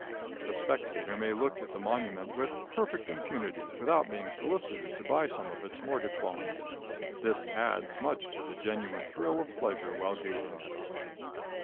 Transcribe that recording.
The spectator may look at the monument with perfect impunity, without being solicited to buy some of its mortgage bonds. This adds much to the genuine thrill of pleasure while gazing at it.